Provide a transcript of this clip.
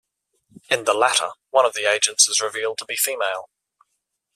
In the latter, one of the agents is revealed to be female.